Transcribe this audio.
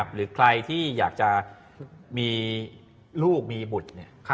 หรือใครที่อยากจะมีลูกมีบุตร